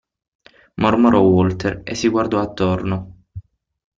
Mormorò Walter e si guardò attorno.